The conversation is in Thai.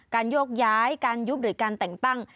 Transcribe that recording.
โยกย้ายการยุบหรือการแต่งตั้ง